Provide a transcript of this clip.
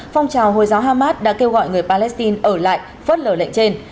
phong trào hồi giáo hamas đã kêu gọi người palestine ở lại phớt lời lệnh trên